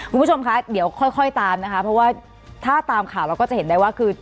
คุณผู้ชมคะเดี๋ยวค่อยตามนะคะเพราะว่าถ้าตามข่าวเราก็จะเห็นได้ว่าคือ